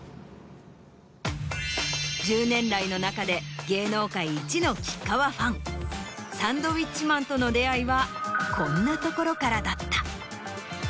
１０年来の仲で芸能界いちの吉川ファンサンドウィッチマンとの出会いはこんなところからだった。